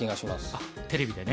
あっテレビでね。